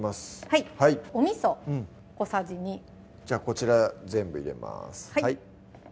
はいおみそ小さじ２じゃこちら全部入れます